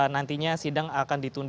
nantinya sidang akan ditunda